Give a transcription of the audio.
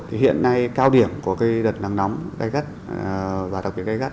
thì hiện nay cao điểm của cái đợt nắng nóng gây gắt và đặc biệt gây gắt